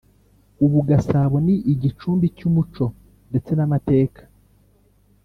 ubu Gasabo ni igicumbi cy’umuco ndetse n’amateka